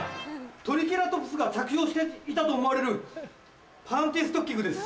トリケラトプスが着用していたと思われるパンティーストッキングです。